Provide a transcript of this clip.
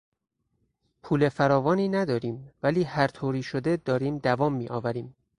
پول فراوانی نداریم ولی هر طوری شده داریم دوام میآوریم.